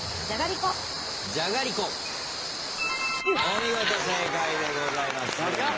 お見事正解でございます。